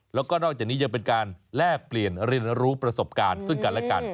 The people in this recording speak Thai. แล้วก็นอกจากนี้ยังเป็นการแลกเปลี่ยนเรียนรู้ประสบการณ์ซึ่งกันและกัน